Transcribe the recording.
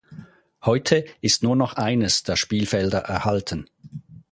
Heute ist nur noch eines der Spielfelder erhalten.